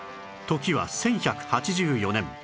時は１１８４年